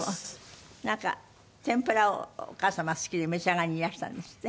なんか天ぷらをお母様好きで召し上がりにいらしたんですって？